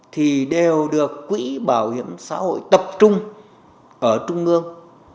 thì đều được quỹ bảo hiểm xã hội tập trung ở trung ương